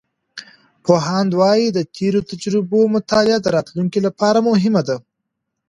پوهاند وایي، د تیرو تجربو مطالعه د راتلونکي لپاره مهمه ده.